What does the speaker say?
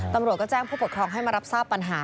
ตำรวจก็แจ้งผู้ปกครองให้มารับทราบปัญหา